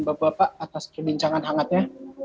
bapak bapak atas perbincangan hangatnya